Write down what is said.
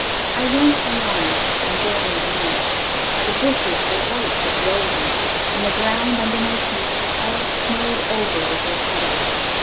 I went along it, enjoying the night. The bushes were white with roses, and the ground under my feet was all snowed over with their petals.